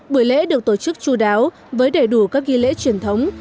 buổi lễ được tổ chức chú đáo với đầy đủ các ghi lễ truyền thống